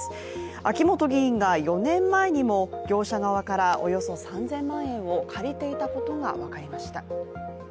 秋本議員が４年前にも、業者側からおよそ３０００万円を借りていたことが分かりました。